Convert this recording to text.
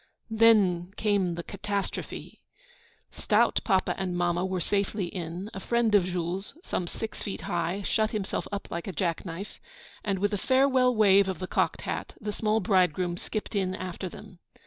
Then came the catastrophe! Stout papa and mamma were safely in; a friend of Jules, some six feet high, shut himself up like a jack knife; and with a farewell wave of the cocked hat, the small bridegroom skipped in after them.